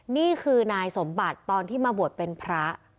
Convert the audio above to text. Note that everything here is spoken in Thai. นี่คือนายสมบัติตอนที่มาบวชเป็นพระ